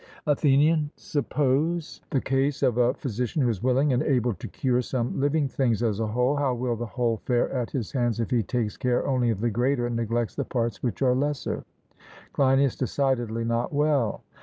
ATHENIAN: Suppose the case of a physician who is willing and able to cure some living thing as a whole how will the whole fare at his hands if he takes care only of the greater and neglects the parts which are lesser? CLEINIAS: Decidedly not well.